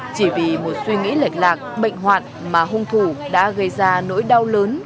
chỉ vì một suy nghĩ lệch lạc bệnh hoạn mà hùng thủ đã gây ra nỗi đau lớn